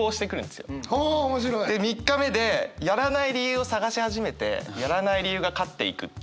で３日目でやらない理由を探し始めてやらない理由が勝っていくっていう。